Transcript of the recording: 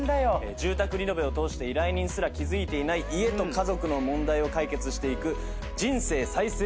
住宅リノベを通して依頼人すら気付いていない家と家族の問題を解決していく人生再生